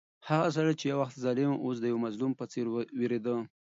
هغه سړی چې یو وخت ظالم و، اوس د یو مظلوم په څېر وېرېده.